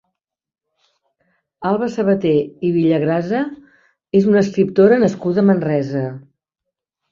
Alba Sabaté i Villagrasa és una escriptora nascuda a Manresa.